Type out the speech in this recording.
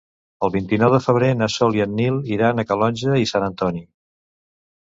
El vint-i-nou de febrer na Sol i en Nil iran a Calonge i Sant Antoni.